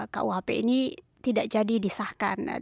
kuhp ini tidak jadi disahkan